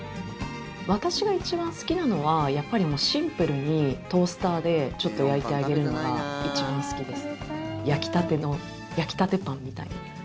私が一番好きなのはやっぱりシンプルにトースターでちょっと焼いてあげるのが一番好きです。